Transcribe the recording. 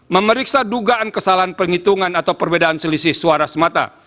memeriksa dugaan kesalahan penghitungan atau perbedaan selisih suara semata